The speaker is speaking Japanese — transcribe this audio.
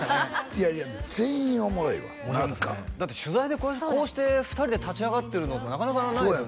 いやいや全員おもろいわ何か面白かったですねだって取材でこうして２人で立ち上がってるのもなかなかないですよね